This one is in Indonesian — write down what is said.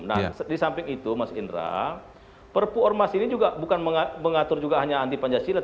nah di samping itu mas indra perpu ormas ini juga bukan mengatur juga hanya anti pancasila